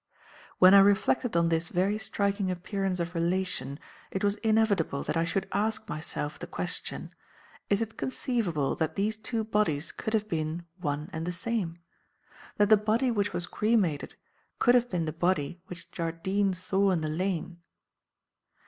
"When I reflected on this very striking appearance of relation it was inevitable that I should ask myself the question. Is it conceivable that these two bodies could have been one and the same? That the body which was cremated could have been the body which Jardine saw in the lane?